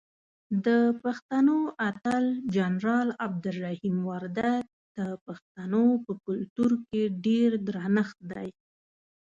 دپښتنو اتل جنرال عبدالرحیم وردک دپښتنو په کلتور کې ډیر درنښت دی.